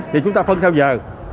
thì chúng ta phân theo giờ